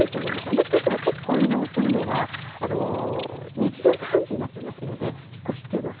アメリカ人は移動するのが結構日常茶飯事になっていますので引っ越しというのは。